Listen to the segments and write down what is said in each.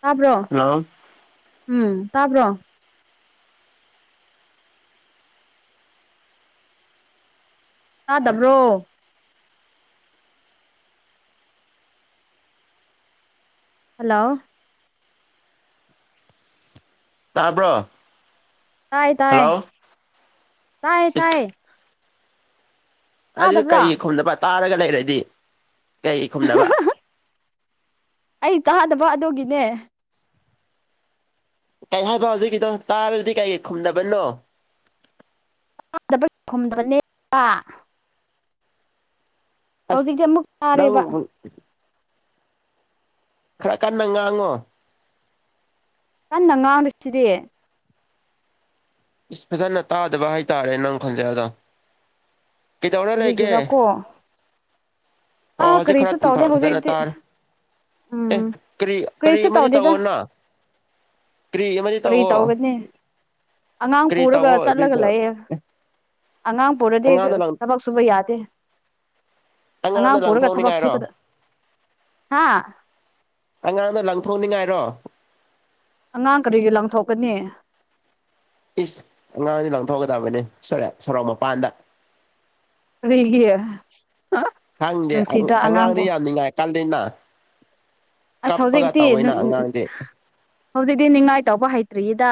ꯇꯥꯕ꯭ꯔꯣ ꯍꯜꯂꯣ ꯎꯝ ꯇꯥꯕ꯭ꯔꯣ ꯇꯥꯗꯕ꯭ꯔꯣ ꯍꯜꯂꯣ ꯇꯥꯔꯕ꯭ꯔꯣ ꯇꯥꯏ ꯇꯥꯏꯌꯦ ꯇꯥꯏ ꯏꯁ ꯇꯥꯏꯌꯦ ꯑꯗꯨꯗꯤ ꯀꯩꯒꯤ ꯇꯥꯗꯕ꯭ꯔꯣ ꯈꯨꯝꯅꯕ ꯇꯥꯔꯒ ꯂꯩꯔꯗꯤ ꯀꯩ ꯈꯨꯝꯗꯕ ꯑꯩ ꯇꯥꯗꯕ ꯑꯗꯨꯒꯤꯅꯦ ꯀꯩ ꯍꯥꯏꯕ ꯍꯧꯖꯤꯛꯀꯤꯗꯣ ꯇꯥꯔꯗꯤ ꯀꯩꯀꯩ ꯈꯨꯝꯗꯕꯅꯣ ꯆꯥꯗꯕ ꯈꯗꯕꯅꯦ [inaudible] ꯑꯁ ꯍꯧꯖꯤꯛꯇꯤ ꯑꯃꯨꯛ ꯅꯪ ꯇꯥꯔꯦꯕ ꯈꯔ ꯀꯟꯅ ꯉꯥꯡꯉꯣ ꯀꯟꯅ ꯉꯥꯡꯉꯤꯁꯤꯗꯤ ꯏꯁ ꯐꯖꯅ ꯇꯥꯗꯕ ꯍꯥꯏꯇꯥꯔꯦ ꯅꯪ ꯈꯟꯖꯤꯟꯗꯣ ꯑꯗ ꯀꯩꯗꯧꯔ ꯂꯩꯒꯦ ꯀꯔꯤꯒꯤꯔꯀꯣ ꯑꯣ ꯑꯥ ꯍꯧꯖꯤꯛ ꯀꯔꯤꯁꯨ ꯇꯧꯗꯦ ꯈꯔ ꯐꯖꯅ ꯍꯧꯖꯤꯛꯇꯤ ꯇꯥꯔꯦ ꯑꯦ ꯎꯝ ꯀꯔꯤ ꯀꯔꯤ ꯀꯔꯤꯁꯨ ꯑꯃꯗꯤ ꯇꯧꯗꯦꯗ ꯇꯧꯑꯣꯅꯣ ꯀꯔꯤ ꯑꯃꯗꯤ ꯀꯔꯤ ꯇꯧꯋꯣ ꯇꯧꯒꯅꯤ ꯑꯉꯥꯡ ꯀꯔꯤ ꯄꯨꯔꯒ ꯇꯧꯋꯣ ꯆꯠꯂꯒ ꯑꯗꯨꯏꯗꯣ ꯂꯩꯌꯦ ꯑꯉꯥꯡ ꯄꯨꯔꯗꯤ ꯊꯕꯛ ꯁꯨꯕ ꯌꯥꯗꯦ ꯑꯉꯥꯡꯗ ꯑꯉꯥꯡ ꯄꯨꯔꯒ ꯊꯕꯛ ꯂꯪꯊꯣꯛꯅꯤꯡꯉꯥꯏꯔꯣ ꯁꯨꯀꯗ ꯍꯥ ꯑꯉꯥꯡꯅ ꯂꯪꯊꯣꯛꯅꯤꯡꯉꯥꯏꯔꯣ ꯑꯉꯥꯡ ꯀꯔꯤꯒꯤ ꯂꯪꯊꯣꯛꯀꯅꯤ ꯏꯁ ꯑꯉꯥꯡꯗꯤ ꯂꯪꯊꯣꯛꯒꯗꯕꯅꯦ ꯁꯣꯔꯦ ꯁꯣꯔꯣꯛ ꯃꯄꯥꯟꯗ ꯀꯔꯤꯒꯤ ꯈꯪꯗꯦ ꯅꯨꯡꯁꯤꯗ꯭ꯔꯥ ꯑꯉꯥꯡꯗꯤ ꯑꯉꯥꯡꯕꯨ ꯌꯥꯝ ꯅꯤꯡꯉꯥꯏ ꯀꯜꯂꯤꯅ ꯑꯁ ꯀꯞꯄꯒ ꯍꯧꯖꯤꯛꯇꯤ ꯇꯧꯋꯤꯅ ꯑꯉꯥꯡꯗꯤ ꯍꯧꯖꯤꯛꯇꯤ ꯅꯤꯡꯉꯥꯏ ꯇꯧꯕ ꯍꯩꯇ꯭ꯔꯤꯌꯦꯗ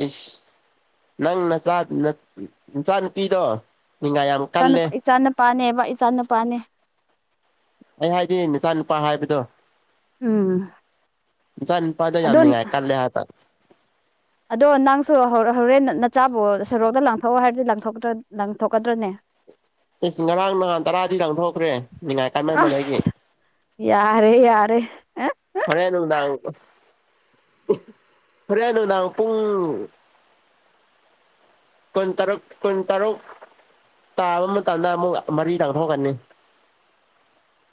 ꯏꯁ ꯅꯪ ꯅꯆꯥ ꯅꯆꯥ ꯅꯨꯨꯄꯤꯗꯣ ꯅꯤꯡꯉꯥꯏ ꯌꯥꯝ ꯏ ꯀꯜꯂꯦ ꯏꯆꯥ ꯅꯄꯥꯅꯦꯕ ꯏꯆꯥꯅꯄꯥꯅꯦ ꯑꯩ ꯍꯥꯏꯗꯤ ꯅꯆꯥ ꯅꯨꯄꯥ ꯍꯥꯏꯕꯗꯣ ꯎꯝ ꯆ ꯅꯨꯄꯥꯗꯣ ꯑꯗꯣ ꯌꯥꯝꯅꯤꯡꯉꯥꯏ ꯀꯜꯂꯦ ꯍꯥꯏꯕ ꯑꯗꯣ ꯅꯪꯁꯨ ꯍꯣꯔꯦꯟ ꯅꯆꯥꯕꯨ ꯁꯣꯔꯣꯛꯇ ꯂꯪꯊꯣꯛꯑꯣ ꯍꯥꯏꯔꯗꯤ ꯂꯊꯣꯛꯇ꯭ꯔ ꯂꯪꯊꯣꯛꯀꯗ꯭ꯔꯅꯦ ꯏꯁ ꯉꯔꯥꯡ ꯅꯍꯥꯟ ꯇꯔꯥꯗꯤ ꯂꯥꯡꯊꯣꯛꯈ꯭ꯔꯦ ꯅꯤꯡꯉꯥꯏ ꯀꯥꯏꯃꯟꯕꯗꯒꯤ ꯑꯁ ꯌꯥꯔꯦ ꯌꯥꯔꯦ ꯑ ꯍꯣꯔꯦꯟ ꯅꯨꯡꯗꯥꯡ ꯐꯣꯔꯦꯅꯨ ꯅꯅꯥ ꯄꯨꯡꯨꯡ ꯀꯣꯏꯟ ꯇꯔꯛ ꯀꯣꯏꯟ ꯇꯔꯣꯛ ꯇꯥꯕ ꯃꯇꯝꯗ ꯑꯃꯨꯛ ꯃꯔꯤ ꯇꯥꯡꯊꯣꯛꯀꯅꯤ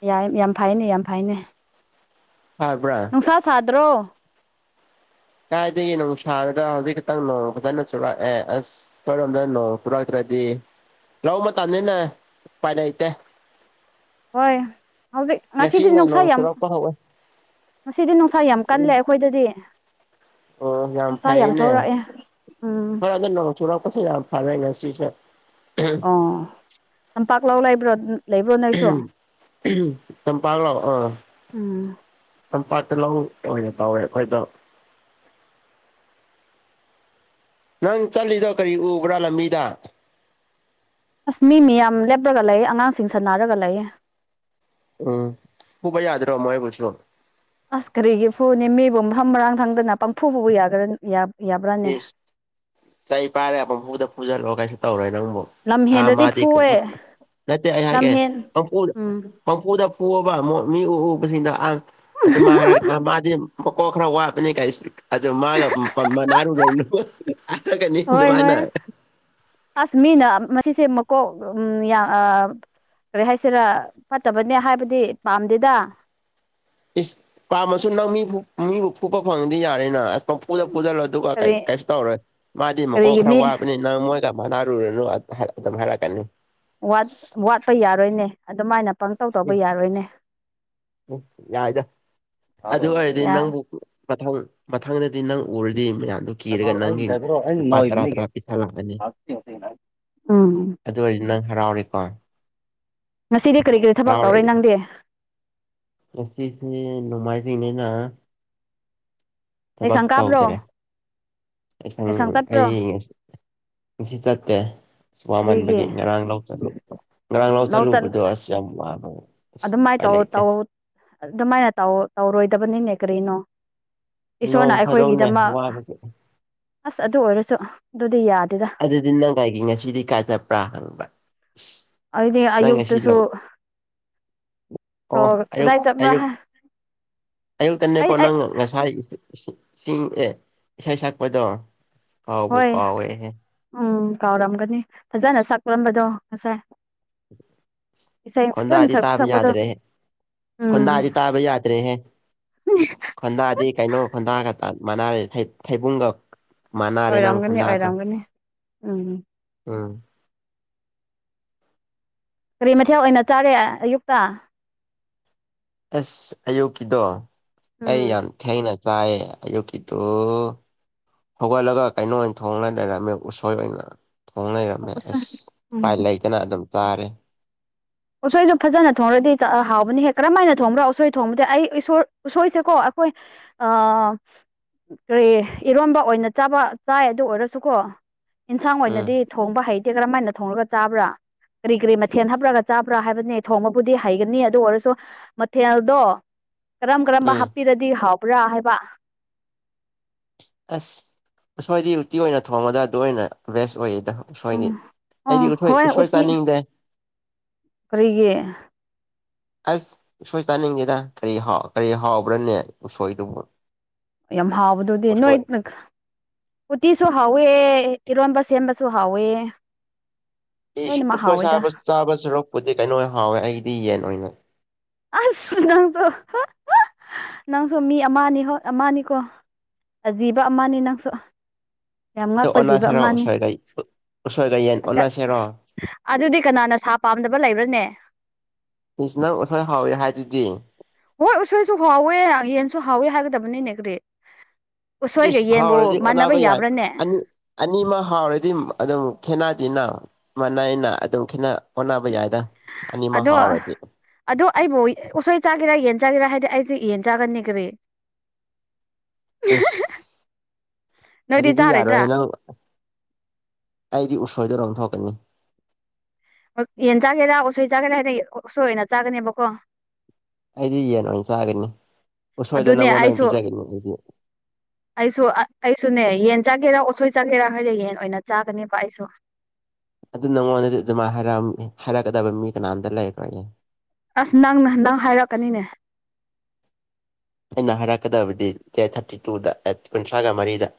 ꯌꯥꯝ ꯌꯥꯝ ꯐꯩꯅꯦ ꯌꯥꯝ ꯐꯩꯅꯦ ꯑꯕ꯭ꯔ ꯁꯥ ꯁꯥꯗ꯭ꯔꯣ ꯀꯥꯏꯗꯒꯤ ꯅꯨꯡꯁꯥꯔꯒ ꯍꯧꯖꯤꯛ ꯈꯤꯛꯇꯪ ꯅꯣꯡ ꯐꯖꯅ ꯆꯨꯔꯛ ꯑꯦ ꯑꯁ ꯀꯔꯣ ꯅꯅꯣ ꯄꯨꯔꯥꯇ ꯔꯥꯗꯤ ꯂꯎ ꯃꯇꯅꯤꯅꯦ ꯄꯥꯏꯅꯩꯇꯦ ꯍꯣꯏ ꯍꯧꯖꯤꯛ ꯉꯁꯤꯗꯤ ꯉꯁꯤꯅ ꯅꯨꯡꯁꯥ ꯅꯣꯡ ꯑꯃꯨꯛ ꯆꯨꯔꯛꯄ ꯍꯧꯋꯦ ꯃꯁꯤꯗꯤ ꯅꯨꯡꯁꯥ ꯌꯥꯝ ꯎꯝ ꯀꯜꯂꯦ ꯑꯩꯈꯣꯏꯗꯗꯤ ꯑꯣ ꯌꯥꯝ ꯅꯨꯡꯁꯥ ꯐꯩꯅꯦ ꯊꯣꯔꯛꯑꯦ ꯎꯝ ꯍꯣꯏ ꯑꯗꯨꯗꯣ ꯅꯣꯡ ꯆꯨꯔꯛꯄꯁ ꯌꯥꯝ ꯐꯔꯦ ꯉꯁꯤꯁꯨ ꯑꯣ ꯂꯝꯝꯄꯥꯛꯂꯥꯎ ꯂꯩꯕ꯭ꯔꯣ ꯂꯩꯕ꯭ꯔꯣ ꯅꯣꯏꯁꯨ ꯅꯝ ꯄꯥꯂꯣ ꯑ ꯎꯝ ꯂꯝꯝ ꯄꯥꯠꯇ ꯂꯧꯔꯦ ꯇꯧꯋꯦ ꯑꯩꯈꯣꯏꯗꯣ ꯅꯪ ꯆꯠꯂꯤꯗꯣ ꯀꯔꯤ ꯎꯕ꯭ꯔꯥ ꯂꯝꯕꯤꯗ ꯑꯁ ꯃꯤ ꯃꯤꯌꯥꯝ ꯂꯦꯞꯄꯒ ꯂꯩꯌꯦ ꯑꯉꯥꯡꯁꯤꯡ ꯁꯥꯟꯅꯔꯒ ꯂꯩꯌꯦ ꯎꯝ ꯐꯨꯄ ꯌꯥꯗꯔꯣ ꯃꯣꯏ ꯄꯨꯁꯨ ꯑꯁ ꯀꯔꯤꯒꯤ ꯐꯨꯅꯦ ꯃꯤꯕꯨ ꯊꯝ ꯃꯔꯥꯡ ꯊꯪꯗꯅ ꯄꯪꯐꯨꯕꯨ ꯌꯥꯒ ꯌꯦꯤꯁ ꯆꯩ ꯄꯥꯏꯔꯦ ꯑꯃꯐꯨꯗ ꯐꯨꯖꯜꯂꯣ ꯀꯩꯁꯨ ꯇꯧꯔꯣꯏ ꯅꯪꯕꯨ ꯑꯥ ꯂꯝꯍꯦꯟꯗꯗꯤ ꯃꯥꯗꯤ ꯐꯨꯋꯦ ꯅꯠꯇꯍ ꯀꯦ ꯂꯝꯍꯦꯟ ꯎꯝ ꯄꯝꯄꯨꯗ ꯄꯨꯑꯕ ꯃꯤ ꯎ ꯎꯕꯁꯤꯡꯗ ꯑ ꯑꯗꯨꯝꯥꯏ ꯍꯥꯏꯔꯒ ꯃꯥꯗꯤ ꯃꯀꯣꯛ ꯈꯔ ꯋꯥꯄꯅꯤ ꯀꯥꯏꯁꯨ ꯑꯗꯨ ꯃꯥꯒꯅꯥꯔꯨꯗꯅ ꯍꯣꯏ ꯍꯣꯏ ꯑꯁ ꯃꯤꯅ ꯃꯁꯤꯁꯦ ꯃꯀꯣꯛ ꯎ ꯀꯔꯤ ꯍꯥꯏꯁꯤꯔꯥ ꯐꯠꯇꯕꯅꯦ ꯍꯥꯏꯕꯗꯤ ꯄꯥꯝꯗꯦꯗ ꯏꯁ ꯄꯥꯝꯃꯁꯨ ꯅꯪ ꯃꯤꯕꯨ ꯐꯨꯄ ꯐꯪꯗꯤ ꯌꯥꯔꯦꯅ ꯑꯁ ꯝꯐꯨꯗ ꯐꯨꯖꯜꯂꯣ ꯑꯗꯨꯒ ꯀꯔꯤ ꯀꯩꯁꯨ ꯇꯧꯔꯣꯏ ꯃꯥꯗꯤ ꯃꯀꯣꯛ ꯀꯔꯤꯒꯤ ꯈꯔ ꯃꯤ ꯋꯥꯕꯅꯤꯅ ꯅꯪ ꯃꯣꯏ ꯀꯃꯥꯟꯅꯅꯥꯔꯨꯔꯨꯅꯨ ꯑꯗꯨꯝ ꯍꯥꯏꯔꯛꯀꯅꯤ ꯋꯥꯠ ꯋꯥꯠ ꯆꯠꯄ ꯌꯥꯔꯣꯏꯅꯦ ꯑꯗꯨꯃꯥꯏꯅ ꯄꯪꯇꯧ ꯎ ꯇꯧꯕ ꯌꯥꯔꯣꯏꯅꯦ ꯎꯝ ꯌꯥꯏꯗꯣ ꯑꯗꯨ ꯑꯣꯏꯔꯗꯤ ꯅꯪꯕꯨ ꯃꯊꯪ ꯃꯊꯪꯗꯗꯤ ꯅꯪ ꯎꯔꯗꯤ ꯃꯌꯥꯝꯗꯨ ꯀꯔꯒ ꯅꯪ ꯄꯥꯇ꯭ꯔ ꯇ꯭ꯔꯥ ꯄꯤꯤꯁꯥ ꯂꯒꯅꯤ ꯎꯝ ꯑꯗꯨ ꯑꯣꯏꯔꯗꯤ ꯅꯪ ꯍꯔꯥꯎꯔꯤꯀꯣ ꯉꯁꯤꯗꯤ ꯀꯔꯤ ꯀꯔꯤ ꯊꯕꯛ ꯇꯧꯔꯦ ꯍꯔꯥꯎꯔꯛꯏꯗ ꯅꯪꯗꯤ ꯉꯁꯤꯁꯦ ꯅꯣꯡꯃꯥꯏꯖꯤꯡꯅꯤꯅ ꯊꯕꯛ ꯂꯥꯏꯁꯪ ꯀꯥꯕ꯭ꯔꯣ ꯇꯧꯗ꯭ꯔꯦ ꯑꯩꯁꯪ ꯂꯥꯏꯁꯪ ꯆꯠꯄ꯭ꯔꯣ ꯑꯩ ꯉ ꯉꯁꯤ ꯆꯠꯇꯦ ꯑ ꯀꯔꯤꯒꯤ ꯋꯥꯃꯟꯕꯒꯤ ꯉꯔꯥꯡ ꯂꯥꯎ ꯆꯠꯂꯨ ꯉꯔꯥꯡ ꯂꯥꯎ ꯂꯧ ꯆꯠ ꯆꯠꯂꯨꯕꯗꯣ ꯑꯁ ꯌꯥꯝ ꯋꯥꯕ ꯑꯁ ꯑꯗꯨꯃꯥꯏꯅ ꯎꯄꯥꯏ ꯂꯩꯇꯦ ꯇꯧꯧ ꯑꯗꯨꯃꯥꯏꯅꯧ ꯇꯧꯔꯣꯏꯗꯕꯅꯤꯅꯦ ꯀꯔꯤꯅꯣ ꯅꯣꯡ ꯏꯁꯣꯔꯅ ꯐꯥꯗꯣꯛꯅꯦ ꯑꯩꯈꯣꯏꯒꯤꯗꯃꯛ ꯋꯥꯕꯒꯤ ꯑꯁ ꯑꯗꯨ ꯑꯣꯏꯔꯁꯨ ꯑꯗꯨꯗꯤ ꯌꯥꯗꯦꯗ ꯑꯗꯨꯗꯤ ꯅꯪ ꯀꯥꯏꯒꯤ ꯉꯁꯤꯗꯤ ꯀꯥꯏ ꯆꯠꯄ꯭ꯔꯥ ꯍꯪꯕ ꯑꯗꯨꯗꯤ ꯅꯪ ꯉ ꯁꯤ ꯑꯌꯨꯛꯇꯁꯨ ꯂꯑꯣ ꯑꯣ ꯑꯌꯨꯛ ꯀꯗꯥꯏ ꯆꯠꯄ꯭ꯔꯥ ꯑꯌꯨꯛ ꯑꯩ ꯑꯌꯨꯛꯇꯅꯦꯀꯣ ꯑꯩ ꯅꯪ ꯉꯁꯥꯏ ꯏꯁꯤꯡ ꯑꯦ ꯏꯁꯩ ꯁꯛꯄꯗꯣ ꯀꯥꯎꯕꯕꯨ ꯍꯣꯏ ꯀꯥꯎꯋꯦꯍꯦ ꯎꯝ ꯀꯥꯎꯔꯝꯒꯅꯤ ꯐꯖꯅ ꯁꯛꯔꯝꯕꯗꯣ ꯉꯁꯥꯏ ꯏꯁꯩ ꯐꯖꯅ ꯍꯟꯗꯗꯤ ꯁꯛ ꯇꯥꯕ ꯁꯛꯄꯗꯣ ꯌꯥꯗ꯭ꯔꯦ ꯎꯝ ꯍꯣꯟꯟꯗꯥꯗꯤ ꯇꯥꯕ ꯌꯥꯗ꯭ꯔꯦ ꯍꯦ ꯍꯟꯗꯥꯗꯤ ꯀꯩꯅꯣ ꯍꯟꯗꯥꯒ ꯃꯥꯟꯅꯔꯦ ꯊꯩꯕꯨꯡꯒ ꯃꯥꯟꯅꯔꯦ ꯅꯪ ꯑꯣꯏꯔꯝꯒꯅꯤ ꯈꯣꯟꯗꯥꯗꯣ ꯑꯣꯏꯔꯝꯒꯅꯤ ꯎꯝ ꯎꯝ ꯀꯔꯤ ꯃꯊꯦꯜ ꯑꯣꯏꯅ ꯆꯥꯒꯦ ꯑꯌꯨꯛꯇ ꯑꯁ ꯑꯌꯨꯛꯀꯤꯗꯣ ꯑꯩ ꯎꯝ ꯌꯥꯝ ꯊꯦꯡꯅ ꯆꯥꯏ ꯑꯌꯨꯛꯀꯤꯗꯣ ꯍꯧꯒꯠꯂꯒ ꯀꯩꯅꯣ ꯑꯣꯏꯅ ꯊꯣꯡꯅꯗꯅ ꯑꯃꯛ ꯎꯁꯣꯏ ꯑꯣꯏꯅ ꯊꯣꯡ ꯂꯩꯔꯝꯃꯦ ꯎꯁꯣꯏ ꯑꯁ ꯎꯄꯥꯏ ꯎꯝ ꯂꯩꯇꯅ ꯑꯗꯨꯝ ꯆꯥꯔꯦ ꯎꯁꯣꯏꯁꯨ ꯐꯖꯅ ꯊꯣꯡꯔꯗꯤ ꯆꯥꯛ ꯍꯥꯎꯕꯅꯤ ꯍꯦꯛ ꯀꯔꯝ ꯍꯥꯏꯅ ꯊꯣꯡꯕ꯭ꯔꯣ ꯎꯁꯣꯏ ꯊꯣꯡꯕꯗꯤ ꯑꯩ ꯎꯁꯣꯏꯁꯦꯀꯣ ꯑꯩꯈꯣꯏ ꯑ ꯀꯔꯤ ꯏꯔꯣꯝꯕ ꯑꯣꯏꯅ ꯆꯥꯕ ꯆꯥꯏ ꯑꯗꯨ ꯑꯣꯏꯔꯁꯨꯀꯣ ꯏꯟꯁꯥꯡ ꯎꯝ ꯑꯣꯏꯅꯗꯤ ꯊꯣꯡꯕ ꯍꯩꯇꯦ ꯀꯔꯝꯍ ꯍꯥꯏꯅ ꯊꯣꯡꯉꯒ ꯆꯥꯕ꯭ꯔꯥ ꯀꯔꯤ ꯀꯔꯤ ꯃꯊꯦꯜ ꯍꯥꯞꯄ꯭ꯔꯒ ꯆꯥꯕ꯭ꯔꯥ ꯍꯥꯏꯕꯅꯦ ꯊꯣꯡꯕꯕꯨꯗꯤ ꯍꯩꯒꯅꯤ ꯑꯗꯨ ꯑꯣꯏꯔꯁꯨ ꯃꯊꯦꯜꯗꯣ ꯀꯔꯝ ꯀꯔꯝꯕ ꯎꯝ ꯍꯥꯞꯄꯤꯔꯗꯤ ꯍꯥꯎꯕ꯭ꯔꯥ ꯍꯥꯏꯕ ꯑꯁ ꯑꯁꯣꯏꯗꯤ ꯎꯇꯤ ꯑꯣꯏꯅ ꯊꯣꯡꯕꯗ ꯑꯗꯨ ꯑꯣꯏꯅ ꯕꯦꯁ ꯑꯣꯏꯌꯦꯗ ꯎꯁꯣꯏꯗꯤ ꯎꯝ ꯑꯣ ꯑꯩꯗꯤ ꯎꯣꯏ ꯍꯣꯏ ꯎꯁꯣꯏ ꯎꯇꯤ ꯆꯥꯅꯤꯡꯗꯦ ꯀꯔꯤꯒꯤ ꯑꯁ ꯁꯣꯏ ꯆꯥꯅꯤꯡꯒꯦꯗ ꯀꯔꯤ ꯀꯔꯤ ꯍꯥꯎꯕ꯭ꯔꯅꯦ ꯎꯁꯣꯏꯗꯨꯕꯨ ꯌꯥꯝ ꯍꯥꯎꯕꯗꯨꯗꯤ ꯅꯣꯏ ꯎꯁꯣꯏ ꯅ ꯎꯇꯤꯁꯨ ꯍꯥꯎꯋꯦ ꯏꯔꯣꯟꯝꯕ ꯁꯦꯝꯕꯁꯨ ꯍꯥꯎꯋꯦ ꯑꯩ ꯂꯣꯏꯅꯃꯛ ꯎꯁꯣꯏ ꯍꯥꯎꯋꯦꯗ ꯁꯥꯕ ꯆꯥꯕ ꯁꯔꯨꯛꯄꯨꯗꯤ ꯀꯩꯅꯣ ꯍꯥꯎꯋꯦ ꯑꯩꯗꯤ ꯌꯦꯟ ꯑꯣꯏꯅ ꯑꯁ ꯅꯪꯁꯨ ꯅꯪꯁꯨ ꯃꯤ ꯑꯃꯅꯤ ꯍꯣꯠ ꯑꯃꯅꯤꯅꯤꯀꯣ ꯑꯖꯤꯕ ꯑꯃꯅꯤ ꯅꯪꯁꯨ ꯌꯥꯝ ꯑꯗꯣ ꯉꯛꯄ ꯖꯤꯕ ꯑꯣꯟꯅꯁꯤꯔꯣ ꯑꯃꯅꯤ ꯎꯁꯣꯏꯒ ꯎꯁꯣꯏꯒ ꯌꯦꯟ ꯑꯣꯟꯅꯁꯤꯔꯣ ꯑꯗꯨꯗꯤ ꯀꯅꯥꯅ ꯁꯥ ꯄꯥꯝꯗꯕ ꯂꯩꯕ꯭ꯔꯥꯅꯦ ꯃꯤꯁꯅ ꯑꯨꯠꯍꯣꯏ ꯍꯥꯎꯋꯦ ꯍꯥꯏꯗꯨꯗꯤ ꯍꯣꯏ ꯎꯁꯣꯏꯁꯨ ꯍꯥꯎꯋꯦ ꯌꯦꯟꯁꯨ ꯍꯥꯎꯋꯦ ꯍꯥꯏꯒꯗꯕꯅꯤꯅꯦ ꯀꯔꯤ ꯎꯁꯣꯏꯒ ꯏꯁ ꯌꯦꯟꯕꯨ ꯃꯥꯟꯅꯕ ꯌꯥꯕ꯭ꯔꯥꯅꯦ ꯑꯅꯤꯃ ꯍꯥꯎꯔꯗꯤ ꯑꯗꯨꯝ ꯈꯦꯅꯗꯦꯅ ꯃꯥꯅꯏꯑꯅ ꯑꯗꯨꯝ ꯈꯤꯠꯅ ꯍꯣꯠꯅꯕ ꯌꯥꯏꯗ ꯑꯅꯤꯃꯛ ꯑꯗꯣ ꯍꯥꯎꯔꯗꯤ ꯑꯗꯣ ꯑꯩꯕꯨ ꯎꯁꯣꯏ ꯆꯥꯒꯦꯔꯥ ꯌꯦꯟ ꯆꯥꯒꯦꯔꯥ ꯍꯥꯏꯗꯤ ꯑꯩꯁꯦ ꯌꯦꯟ ꯆꯥꯒꯅꯤ ꯀꯔꯤ ꯢꯁ ꯅꯣꯏꯗꯤ ꯑꯗꯨꯗꯤ ꯌꯥꯔꯣꯏ ꯆꯥꯔꯣꯏꯗ꯭ꯔꯥ ꯅꯪ ꯑꯩꯗꯤ ꯎꯁꯣꯏꯗ ꯂꯧꯊꯣꯛꯀꯅꯤ ꯌꯦꯟ ꯆꯥꯒꯦꯔꯥ ꯎꯁꯣꯏ ꯆꯥꯒꯦꯔꯥ ꯍꯥꯏꯅ ꯎꯁꯣꯏꯅ ꯆꯥꯒꯅꯦꯕꯀꯣ ꯑꯩꯗꯤ ꯌꯦꯟ ꯑꯣꯏꯅ ꯆꯥꯒꯅꯤ ꯎꯁꯣꯏꯗꯅ ꯑꯗꯨꯅꯦ ꯅꯪꯉꯣꯟꯗ ꯑꯣꯏꯅ ꯑꯩꯁꯨ ꯄꯤꯖꯒꯅꯤ ꯑꯩꯗꯤ ꯑꯩꯁꯨ ꯑꯩꯁꯨꯅꯦ ꯌꯦꯟ ꯆꯥꯒꯦꯔꯥ ꯑꯣꯁꯣꯏ ꯆꯥꯒꯦꯔꯥ ꯍꯥꯏꯁꯦ ꯌꯦꯟ ꯑꯣꯏꯅ ꯆꯥꯒꯅꯦꯕ ꯑꯩꯁꯨ ꯑꯗꯨ ꯅꯪꯉꯣꯟꯗꯗꯤ ꯑꯗꯨꯃꯥꯏꯅ ꯍꯥꯏꯔ ꯍꯥꯏꯔꯛꯀꯗꯕ ꯃꯤ ꯀꯅꯥꯝꯇ ꯂꯩꯈ꯭ꯔꯣ ꯑꯁ ꯅꯪꯅ ꯅꯪ ꯍꯥꯏꯔꯛꯀꯅꯤꯅꯦ ꯑꯩꯅ ꯍꯥꯏꯔꯛꯀꯗꯕꯗꯤ ꯗꯦꯠ ꯊꯥꯔꯇꯤ ꯇꯨꯗ ꯇꯥꯔꯤꯛ ꯀꯨꯟꯊ꯭ꯔꯥꯒ ꯃꯔꯤꯗ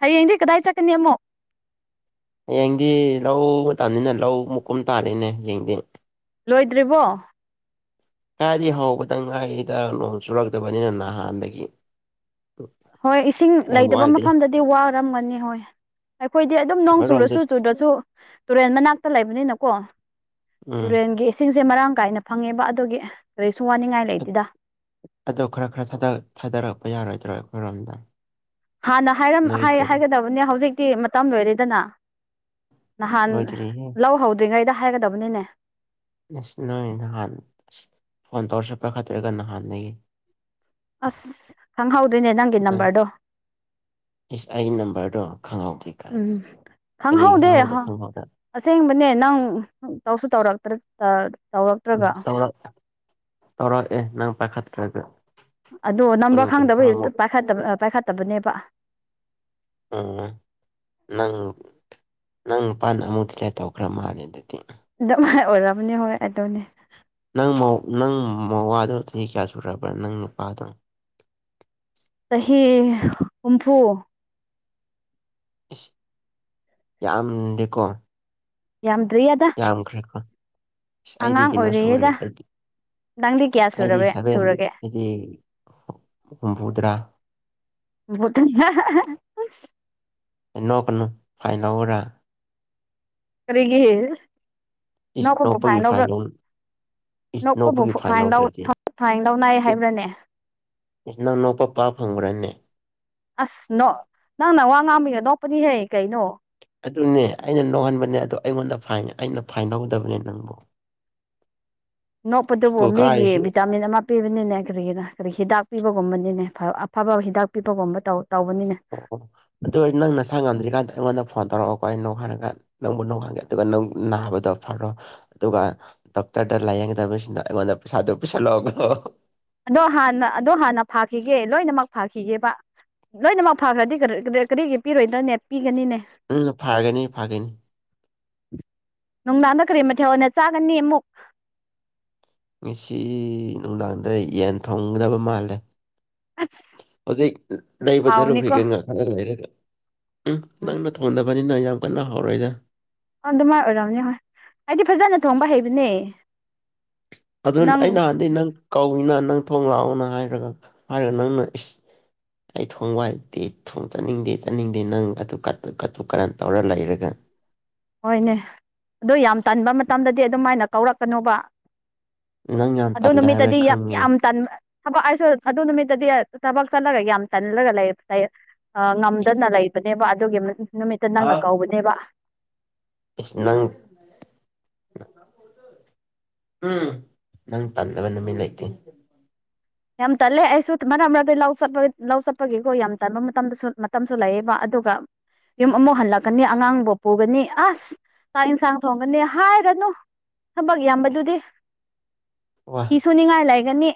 ꯍꯌꯦꯡꯗꯤ ꯀꯗꯥꯏ ꯆꯠꯀꯅꯤ ꯑꯃꯨꯛ ꯍꯌꯦꯡꯗꯤ ꯂꯧ ꯃꯇꯝꯅꯤꯅ ꯂꯧ ꯃꯨꯀꯨꯝ ꯇꯥꯔꯛꯅꯦ ꯍꯌꯦꯡꯗꯤ ꯂꯣꯏꯗ꯭ꯔꯤꯕꯣ ꯀꯥꯏꯗꯤ ꯍꯧꯕꯗ ꯉꯥꯏꯔꯤꯗ ꯅꯣꯡ ꯆꯨꯔꯛꯇꯕꯅꯤꯅ ꯅꯍꯥꯟꯗꯒꯤ ꯍꯣꯏ ꯏꯁꯤꯡ ꯌꯥꯝ ꯂꯩꯇꯕ ꯋꯥꯠꯂꯤ ꯃꯐꯝꯗꯗꯤ ꯋꯥꯔꯝꯒꯅꯤ ꯍꯣꯏ ꯑꯩꯈꯣꯏꯗꯤ ꯑꯗꯨꯝ ꯅꯣꯡ ꯑꯩꯈꯣꯏꯔꯣꯝꯗ ꯆꯨꯔꯁꯨ ꯆꯨꯨꯗ꯭ꯔꯁꯨ ꯇꯨꯔꯦꯟ ꯃꯅꯥꯛꯇ ꯂꯩꯕꯅꯤꯅꯀꯣ ꯎꯝ ꯇꯨꯔꯦꯟꯒꯤ ꯏꯁꯤꯡꯁꯦ ꯃꯔꯥꯡ ꯀꯥꯏꯅ ꯐꯪꯉꯦꯕ ꯑꯗꯨꯒꯤ ꯀꯔꯤꯁꯨ ꯋꯥꯅꯤꯡꯉꯥꯏ ꯂꯩꯇꯦꯗ ꯑꯗꯣ ꯈꯔ ꯈꯔ ꯊꯥꯗ ꯊꯥꯗꯔꯛꯄ ꯌꯥꯔꯣꯏꯗ꯭ꯔꯣ ꯑꯩꯈꯣꯏꯔꯣꯝꯗ ꯍꯥꯟꯅ ꯍꯥꯏꯔꯝ ꯍꯥꯢ ꯅꯣꯏꯒꯤꯗꯨ ꯍꯥꯏꯒꯗꯕꯅꯦ ꯍꯧꯖꯤꯛꯇꯤ ꯃꯇꯝ ꯂꯣꯏꯔꯦꯗꯅ ꯑꯁ ꯅꯍꯥꯟ ꯂꯣꯏꯗ꯭ꯔꯤꯍꯦ ꯂꯧ ꯍꯧꯗ꯭ꯔꯤꯉꯩꯗ ꯍꯥꯏꯒꯗꯕꯅꯤꯅꯦ ꯅꯁ ꯅꯣꯏ ꯅꯍꯥꯟ ꯑꯁ ꯐꯣꯟ ꯇꯧꯔꯁꯨ ꯄꯥꯏꯈꯠꯇ꯭ꯔꯒ ꯅꯍꯥꯟꯗꯒꯤ ꯑꯁ ꯈꯪꯍꯧꯗꯣꯏꯅꯦ ꯅꯪꯒꯤ ꯅꯪ ꯅꯝꯕꯔꯗꯣ ꯏꯁ ꯑꯩ ꯅꯝꯕꯔꯗꯣ ꯈꯪꯍꯧꯗꯦ ꯀꯥꯏꯅ ꯎꯝ ꯀꯔꯤꯒꯤ ꯈꯪꯍꯧꯗꯦ ꯈꯪꯍꯧꯗ [unintelligible] ꯑꯁꯦꯡꯕꯅꯦ ꯅꯪ ꯇꯧꯁꯨ ꯇꯧꯔꯛ ꯇꯥ ꯇꯧꯔꯛꯇ꯭ꯔꯒ [unintelligible] ꯇꯧꯔꯛꯑꯦ ꯅꯪ ꯄꯥꯏꯈꯠꯇ꯭ꯔꯒ ꯑꯗꯣ ꯀꯨꯟ ꯅꯝꯕꯔ ꯈꯪꯗꯕꯒꯤ ꯀꯨꯟꯊ꯭ꯔꯥꯃꯨꯛ ꯄꯥꯏꯈꯠꯇꯕ ꯄꯥꯏꯈꯠꯇꯕꯅꯦꯕ ꯎꯝ ꯅꯪ ꯅꯪ ꯅꯨꯄꯥꯅ ꯑꯃꯨꯛ ꯗꯤꯂꯦꯠ ꯇꯧꯈ꯭ꯔ ꯃꯥꯜꯂꯦ ꯑꯗꯨꯗꯤ ꯑꯗꯨꯃꯥꯏ ꯑꯣꯏꯔꯝꯅꯤ ꯍꯣꯏ ꯑꯗꯨꯅꯦ ꯅꯪ ꯃꯧ ꯅꯪ ꯃꯋꯥꯗꯨ ꯆꯍꯤ ꯀꯌꯥ ꯁꯨꯔꯕ꯭ꯔꯥ ꯅꯪ ꯅꯨꯄꯥꯗꯣ ꯆꯍꯤ ꯍꯨꯝꯐꯨ ꯏꯁ ꯌꯥꯝꯗꯦꯀꯣ ꯌꯥꯝꯗ꯭ꯔꯤꯌꯥꯗ ꯌꯥꯝꯈ꯭ꯔꯦꯀꯣ ꯑꯩꯗꯤ ꯀꯩꯅꯣ ꯁꯨꯔꯦ ꯑꯣꯏꯔꯤꯌꯦꯗ ꯑꯩꯗꯤ ꯅꯪꯗꯤ ꯀꯌꯥ ꯑꯩꯗꯤ ꯁꯨꯔꯕꯦ ꯁꯚꯦꯟ ꯁꯨꯔꯒꯦ ꯍꯤ ꯍꯨꯝꯐꯨꯇꯔꯥ [unintelligible] ꯅꯣꯛꯀꯅꯨ ꯐꯥꯏꯟ ꯂꯧꯔꯥ ꯀꯔꯤꯒꯤ ꯏꯁ ꯅꯣꯛꯄꯕꯨ ꯐꯥꯏꯟ ꯅꯣꯛꯄꯒꯤ ꯂꯧꯕ꯭ꯔꯣ ꯂꯧ ꯏꯁ ꯅꯣꯛꯄꯕꯨ ꯅꯣꯛꯄꯒꯤ ꯐꯥꯏꯟ ꯂꯧ ꯂꯧꯗ꯭ꯔꯗꯤ ꯐꯥꯏꯟ ꯂꯧꯅꯩ ꯏꯁ ꯍꯥꯏꯕ꯭ꯔꯅꯦ ꯏꯁ ꯅꯪ ꯅꯣꯛꯄ ꯄꯥ ꯐꯪꯕ꯭ꯔꯅꯦ ꯑꯁ ꯅꯣꯛ ꯅꯪꯅ ꯋꯥ ꯉꯥꯡꯕꯒꯤ ꯅꯣꯛꯄꯅꯤꯍꯦ ꯀꯩꯅꯣ ꯑꯗꯨꯅꯦ ꯑꯩꯅ ꯅꯣꯛꯍꯟꯕꯅꯦ ꯑꯗꯣ ꯑꯩꯉꯣꯟꯗ ꯐꯥꯏꯟ ꯑꯩꯅ ꯐꯥꯏꯟ ꯂꯧꯗꯕꯅꯦ ꯅꯪꯕꯨ ꯅꯣꯛꯄꯗꯨꯕꯨ ꯁ꯭ꯀꯨꯜ ꯃꯤꯒꯤ ꯀꯥꯔꯤꯁꯤ ꯚꯤꯇꯥꯃꯤꯟ ꯑꯃ ꯄꯤꯕꯅꯤꯅꯦ ꯀꯔꯤꯒꯤꯅꯣ ꯀꯔꯤ ꯍꯤꯗꯥꯛ ꯄꯤꯕꯒꯨꯝꯕꯅꯤꯅꯦ ꯐ ꯑꯐꯕ ꯍꯤꯗꯥꯛ ꯄꯤꯕꯒꯨꯝꯕ ꯇꯧ ꯇꯧꯕꯅꯤꯅꯦ ꯑꯣ ꯑꯣ ꯑꯗꯨ ꯅꯪ ꯅꯁꯥ ꯉꯝꯗ꯭ꯔꯤꯀꯥꯟꯗ ꯑꯩꯉꯣꯟꯗ ꯐꯣꯟ ꯇꯧꯔꯛꯑꯣꯀꯣ ꯑꯩ ꯅꯣꯛꯍꯟꯂꯛ ꯅꯪꯕꯨ ꯅꯣꯛꯍꯟꯒꯦ ꯑꯗꯨꯒ ꯅꯪ ꯅꯥꯕꯗꯣ ꯐꯔꯣ ꯑꯗꯨꯒ ꯗꯣꯛꯇꯔꯗ ꯂꯥꯏꯌꯦꯡꯒꯗꯕꯁꯤꯅ ꯑꯩꯉꯣꯟꯗ ꯄꯩꯁꯥꯗꯨ ꯄꯤꯁꯜꯂꯛꯑꯣꯀꯣ ꯑꯗꯣ ꯍꯥꯟꯅ ꯑꯗꯣ ꯍꯥꯟꯅ ꯐꯥꯈꯤꯒꯦ ꯂꯣꯏꯅꯃꯛ ꯐꯥꯈꯤꯒꯦꯕ ꯂꯣꯏꯅꯃꯛ ꯐꯥꯈ꯭ꯔꯗꯤ [unintelligible] ꯀꯔꯤꯒꯤ ꯄꯤꯔꯣꯏꯗꯅꯦ ꯄꯤꯒꯅꯤꯅꯦ ꯎꯝ ꯐꯥꯒꯅꯤ ꯐꯒꯅꯤ ꯅꯨꯡꯗꯥꯡꯗ ꯀꯔꯤ ꯃꯊꯦꯜ ꯑꯣꯢꯅ ꯆꯥꯒꯅꯤ ꯃꯨꯛ ꯉꯁꯤ ꯅꯨꯡꯗꯥꯡꯗ ꯌꯦꯟ ꯊꯣꯡꯒꯗꯕ ꯃꯥꯜꯂꯦ ꯑꯁ ꯍꯧꯖꯤꯛ ꯂꯩꯕ ꯍꯥꯎꯅꯤꯀꯣ ꯆꯠꯂꯨꯈꯤꯒꯦ ꯉꯥꯍꯛ ꯂꯩꯔꯒ ꯎꯝ ꯅꯪꯅ ꯊꯣꯡꯗꯕꯅꯤꯅ ꯌꯥꯝ ꯀꯟꯅ ꯍꯥꯎꯔꯣꯏꯗ ꯑꯗꯨꯃꯥꯏ ꯑꯣꯏꯔꯝꯅꯤ ꯍꯣꯏ ꯑꯩꯗꯤ ꯐꯖꯅ ꯊꯣꯡꯕ ꯍꯩꯕꯅꯦ ꯑꯗꯨꯟ ꯑꯩ ꯅꯪ ꯅꯍꯥꯟꯗꯤ ꯅꯪ ꯀꯧꯅ ꯅꯪ ꯊꯣꯡ ꯔꯥꯎꯅ ꯍꯥꯏꯔꯒ ꯍꯥꯏꯔꯒ ꯅꯪꯅ ꯏꯁ ꯑꯩ ꯊꯣꯡꯕ ꯍꯩꯇꯤ ꯊꯣꯡ ꯆꯠꯅꯤꯡꯗꯦ ꯆꯠꯅꯤꯡꯗꯦ ꯅꯪ ꯑꯗꯨ ꯀꯠꯇꯨ ꯀꯠꯇꯨ ꯀꯥꯔꯟ ꯇꯧꯔ ꯂꯩꯔꯒ ꯍꯣꯏꯅꯦ ꯑꯗꯨ ꯌꯥꯝ ꯇꯟꯕ ꯃꯇꯝꯗꯗꯤ ꯑꯗꯨꯝꯃꯥꯏꯅ ꯀꯧꯔꯛꯀꯅꯨꯕ ꯅꯪ ꯌꯥꯝ ꯑꯗꯨ ꯇꯜꯂꯦ ꯍꯥꯏꯕ ꯅꯨꯃꯤꯠꯇꯗꯤ ꯌꯥꯝ ꯈꯪꯉꯦ ꯌꯥꯝ ꯇꯟ ꯊꯕꯛ ꯑꯩꯁꯨ ꯑꯗꯨ ꯅꯨꯃꯤꯠꯇꯗꯤ ꯊꯕꯛ ꯆꯠꯂꯒ ꯌꯥꯝ ꯇꯜꯂꯒ ꯂꯩ ꯂꯩ ꯑ ꯉꯝꯗꯅ ꯂꯩꯕꯅꯦꯕ ꯑꯗꯨꯒꯤ ꯅꯨꯃꯤꯠꯇ ꯅꯪꯅ ꯑ ꯀꯧꯕꯅꯦꯕ ꯏꯁ ꯅꯪ ꯎꯝ ꯅꯪ ꯇꯟꯗꯕ ꯅꯨꯃꯤꯠ ꯂꯩꯇꯦ ꯌꯥꯝ ꯇꯜꯂꯦ ꯑꯩꯁꯨ ꯃꯔꯛ ꯃꯔꯛꯇ ꯂꯧ ꯆꯠꯄ ꯂꯧ ꯆꯠꯄꯒꯤꯀꯣ ꯌꯥꯝ ꯇꯟꯕ ꯃꯇꯝꯗꯁꯨ ꯃꯇꯝꯁꯨ ꯂꯩꯌꯦꯕ ꯑꯗꯨꯒ ꯌꯨꯝ ꯑꯃꯨꯛ ꯍꯜꯂꯛꯀꯅꯤ ꯑꯉꯥꯡꯕꯨ ꯄꯨꯒꯅꯤ ꯑꯁ ꯆꯥꯛ ꯏꯟꯁꯥꯡ ꯊꯣꯡꯒꯅꯤ ꯍꯥꯏꯔꯅꯨ ꯊꯕꯛ ꯌꯥꯝꯕꯗꯨꯗꯤ ꯋꯥ ꯐꯤ ꯁꯨꯅꯤꯡꯉꯥꯏ ꯂꯩꯒꯅꯤ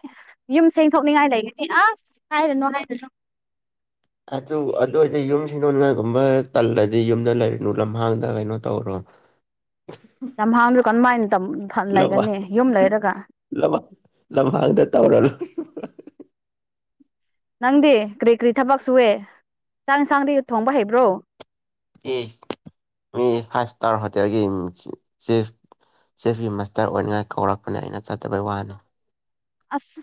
ꯌꯨꯝ ꯁꯦꯡꯊꯣꯛꯅꯤꯡꯉꯥꯏ ꯂꯩꯒꯅꯤ ꯑꯁ ꯍꯥꯏꯔꯨꯅꯣ ꯍꯥꯏꯔꯨꯅꯣ ꯑꯗꯨ ꯑꯗꯨ ꯑꯣꯏꯗꯤ ꯌꯨꯝ ꯁꯤꯗꯣꯟ [unintelligible] ꯒꯨꯝꯕ ꯇꯜꯂꯗꯤ ꯌꯨꯝꯗ ꯂꯩꯔꯨꯅꯨ ꯂꯝꯍꯥꯡꯗ ꯀꯩꯅꯣ ꯇꯧꯔꯣ ꯂꯝꯍꯥꯡꯗꯨ ꯀꯔꯝꯃꯥꯏꯟ ꯇꯝ ꯊꯟ ꯂꯩꯒꯅꯤ ꯌꯨꯝ ꯂꯩꯔꯒ ꯂꯝꯍ ꯂꯝꯍꯥꯡꯗ ꯇꯧꯔ [unintelligible] ꯅꯪꯗꯤ ꯀꯔꯤ ꯀꯔꯤ ꯊꯕꯛ ꯁꯨꯋꯦ ꯆꯥꯛ ꯏꯟꯁꯥꯡꯗꯤ ꯊꯣꯡꯕ ꯍꯩꯕ꯭ꯔꯣ ꯑꯦ ꯃꯤ ꯐꯥꯏꯚ ꯏꯁꯇꯥꯔ ꯍꯣꯇꯦꯜꯒꯤ ꯆꯤꯐ ꯆꯤꯐꯀꯤ ꯃꯁꯇꯔ ꯑꯣꯏꯅꯤꯡꯉꯥꯏ ꯀꯧꯔꯛꯄꯅꯦ ꯑꯩꯅ ꯆꯠꯇꯕꯩ ꯋꯥꯅꯣ ꯑꯁ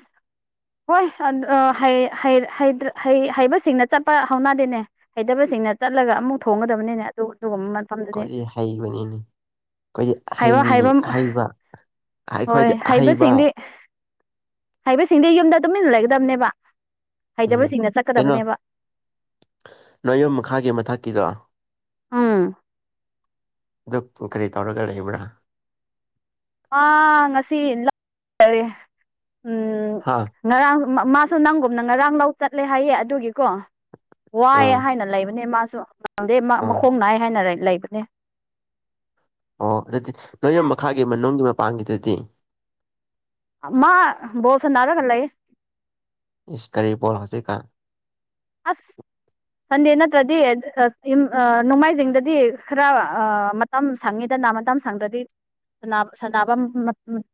ꯍꯣꯏ ꯑꯟ ꯑ ꯍꯩ ꯍꯩ ꯍꯩꯇ꯭ꯔꯥ ꯍꯩ ꯍꯩꯕꯁꯤꯡꯅ ꯆꯠꯄ ꯍꯧꯅꯗꯦꯅꯦ ꯍꯩꯇꯕꯁꯤꯡꯅ ꯆꯠꯂꯒ ꯑꯃꯨꯛ ꯊꯣꯡꯒꯗꯕꯅꯤꯅꯦ ꯑꯗꯨ ꯑꯗꯨꯒꯨꯝ ꯑꯩꯈꯣꯏꯗꯤ ꯍꯩꯕꯅꯤꯅꯤ ꯑꯩꯈꯣꯏꯗꯤ ꯍꯩꯕ ꯑꯍꯩꯕꯤ ꯍꯩꯕ ꯑꯍꯩꯕ ꯑꯩ ꯍꯣꯏ ꯈ꯭ꯋꯥꯏꯗꯤ ꯍꯍꯩꯕ ꯍꯥꯏꯕꯁꯤꯡꯗꯤ ꯌꯨꯝꯗ ꯇꯨꯃꯤꯟꯅ ꯂꯩꯒꯗꯕꯅꯦꯕ ꯎꯝ ꯍꯩꯇꯕꯁꯤꯡꯅ ꯀꯩꯅꯣ ꯆꯠꯀꯗꯕꯅꯦꯕ ꯅ ꯌꯨꯝ ꯃꯈꯥꯒꯤ ꯃꯊꯛꯀꯤꯗꯣ ꯎꯪ ꯑꯗꯨ ꯀꯔꯤ ꯇꯧꯔꯒ ꯂꯩꯕ꯭ꯔꯥ ꯑ ꯉꯁꯤ ꯂꯛ [unintelligible] ꯍꯥꯥ ꯉꯔꯥꯡ ꯃꯥꯁꯨ ꯅꯪꯒꯨꯝꯅ ꯉꯔꯥꯡ ꯂꯧ ꯆꯠꯂꯦ ꯍꯥꯏꯌꯦ ꯑꯗꯨꯒꯤꯀꯣ ꯋꯥꯏꯑ ꯑꯥ ꯍꯥꯏꯅ ꯂꯩꯕꯅꯦ ꯃꯥꯁꯨ ꯉꯗꯦ ꯑꯥ ꯃꯈꯣꯡ ꯅꯥꯏ ꯍꯥꯏꯅ ꯂꯩꯕꯅꯦ ꯑꯣ ꯑꯗꯨꯗꯤ ꯅꯣꯏꯌꯨꯝ ꯃꯈꯥꯒꯤ ꯃꯅꯨꯡꯒꯤ ꯃꯄꯥꯟꯒꯤꯗꯨꯗꯤ ꯑꯃ ꯕꯣꯜ ꯁꯥꯟꯅꯔꯒ ꯂꯩꯌꯦ ꯏꯁ ꯀꯥꯔꯤ ꯕꯣꯜ ꯍꯧꯖꯤꯛꯀꯥꯟ ꯑꯁ ꯁꯟꯗꯦ ꯅꯠꯇ꯭ꯔꯗꯤ ꯏꯝ ꯑ ꯅꯣꯡꯃꯥꯏꯖꯤꯡꯗꯗꯤ ꯈꯔ ꯑ ꯃꯠ ꯇꯝ ꯁꯪꯉꯤꯗꯥꯅ ꯃꯥꯇꯝ ꯁꯪꯗ꯭ꯔꯗꯤ ꯁꯥꯟꯅꯕ ꯁꯥꯟꯅꯕ